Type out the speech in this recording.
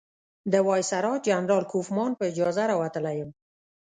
د وایسرا جنرال کوفمان په اجازه راوتلی یم.